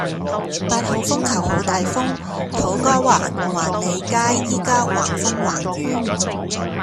八號風球好大風，土瓜灣環利街依家橫風橫雨